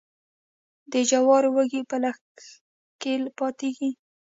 د جوارو وږي په لښک پاکیږي.